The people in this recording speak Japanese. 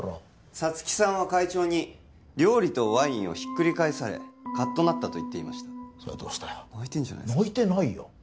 皐月さんは会長に料理とワインをひっくり返されカッとなったと言っていました泣いてんじゃないですか泣いてないよ